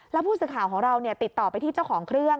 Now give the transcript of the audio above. แล้วผู้สื่อข่าวของเราติดต่อไปที่เจ้าของเครื่อง